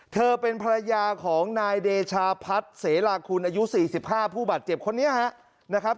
เธอเป็นภรรยาของนายเดชาพัฒน์เสลาคุณอายุ๔๕ผู้บาดเจ็บคนนี้นะครับ